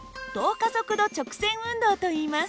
加速度直線運動といいます。